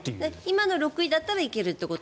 今の６位だったら行けるということ？